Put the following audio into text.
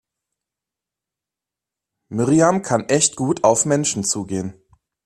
Miriam kann echt gut auf Menschen zugehen.